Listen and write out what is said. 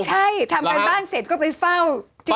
ใช่ทำการบ้านเสร็จก็ไปเฝ้า